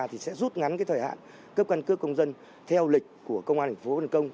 thì sẽ rút ngắn cái thời hạn cấp căn cước công dân theo lịch của công an thành phố vân công